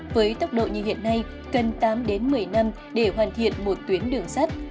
với tốc độ như hiện nay cần tám đến một mươi năm để hoàn thiện một tuyến đường sắt